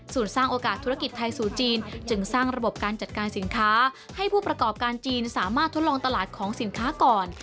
ส่วนสร้างโอกาสธุรกิจไทยสู่จีนจึงสร้างระบบการจัดการสินค้าให้ผู้ประกอบการจีนสามารถทดลองตลาดของสินค้าก่อน